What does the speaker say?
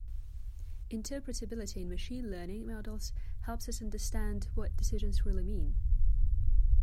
Interpretability in machine learning models helps us understand what decisions really mean.